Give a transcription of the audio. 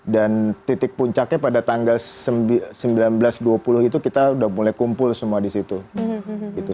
dan titik puncaknya pada tanggal sembilan belas dua puluh itu kita udah mulai kumpul semua di situ